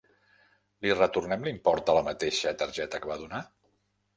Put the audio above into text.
Li retornem l'import a la mateixa targeta que va donar?